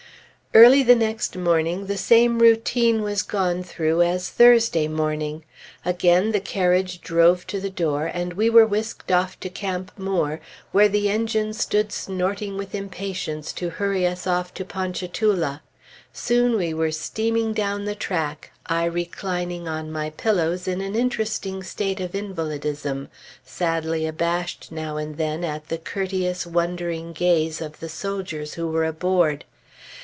Early next morning the same routine was gone through as Thursday morning. Again the carriage drove to the door, and we were whisked off to Camp Moore, where the engine stood snorting with impatience to hurry us off to Ponchatoula.... Soon we were steaming down the track, I reclining on my pillows in an interesting state of invalidism, sadly abashed now and then at the courteous, wondering gaze of the soldiers who were aboard.